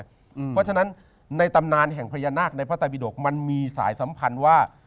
เพราะฉะนั้นในตำนานแห่งพญานาคในพระไตบิดกมันมีสายสัมพันธ์ว่า